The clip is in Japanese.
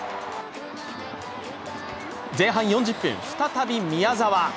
前半４０分、再び宮澤。